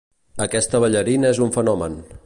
Aquesta ballarina és un fenomen.